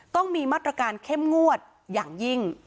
ต้องมีมาตรการเข้มงวดอย่างยิ่ง